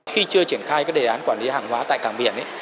khi chưa triển khai các đề án quản lý hàng hóa tại cảng biển